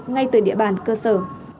ngay từ địa bàn cơ sở